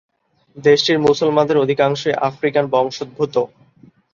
দেশটির মুসলমানদের অধিকাংশই আফ্রিকান বংশোদ্ভূত।